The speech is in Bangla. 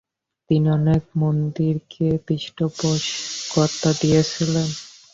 তিনি অনেক মন্দিরকে পৃষ্ঠপোষকতা দিয়েছিলেন।